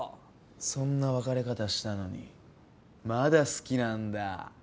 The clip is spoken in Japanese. そんな別れ方したのにまだ好きなんだ？